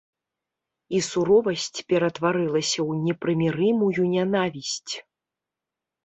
І суровасць ператварылася ў непрымірымую нянавісць.